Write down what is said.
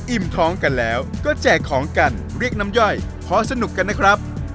อิ่มท้องกันแล้วก็แจกของกันเรียกน้ำย่อยพอสนุกกันนะครับ